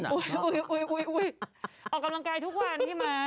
อุ๊ยออกกำลังกายทุกวันพี่ม้า